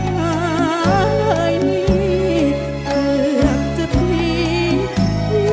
อย่าเหล่านี้อาจจะที่